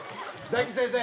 大吉先生。